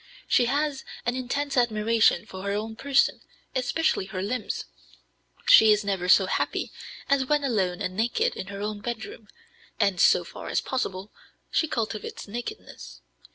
She has an intense admiration for her own person, especially her limbs; she is never so happy as when alone and naked in her own bedroom, and, so far as possible, she cultivates nakedness.